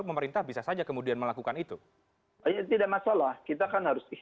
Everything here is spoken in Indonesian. fpi tidak diperlakukan itu tidak masalah